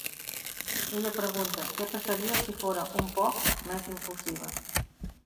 Ella pregunta que passaria si fóra un "poc" més impulsiva.